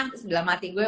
terus bilang mati gue